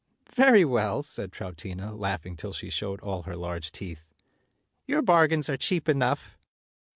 "Very well," said Troutina, laughing till she showed all her large teeth; "your bargains are cheap enough."